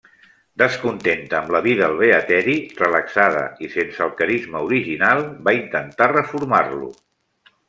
Descontenta amb la vida al beateri, relaxada i sense el carisma original, va intentar reformar-lo.